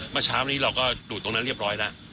เมื่อเช้านี้เราก็ดูดตรงนั้นเรียบร้อยแล้ว